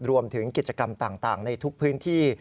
รวมถึงกิจกรรมต่างในทุกพื้นที่